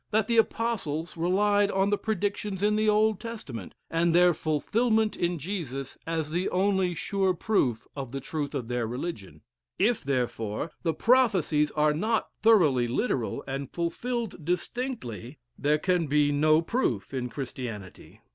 That the Apostles relied on the predictions in the Old Testament, and their fulfilment in Jesus as the only sure proof of the truth of their religion; if therefore, the prophecies are not thoroughly literal, and fulfilled distinctly, there can be no proof in Christianity.